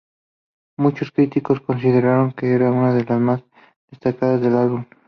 Muchos críticos consideraron que era una de las más destacadas del álbum.